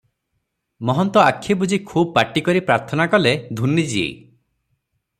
ମହନ୍ତ ଆଖି ବୁଜି ଖୁବ୍ ପାଟି କରି ପ୍ରାର୍ଥନା କଲେ, "ଧୂନି ଜୀ!